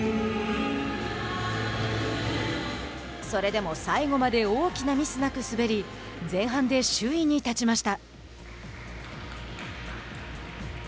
それでも最後まで大きなミスなく滑り前半で首位に立ちました。